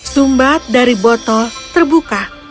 sumbat dari botol terbuka